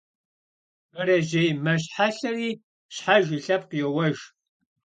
Бэрэжьей мэщхьэлъэри щхьэж и лъэпкъ йоуэж.